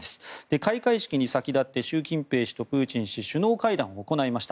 開会式に先立って習近平氏とプーチン氏は首脳会談を行いました。